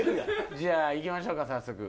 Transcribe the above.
じゃあいきましょうか早速。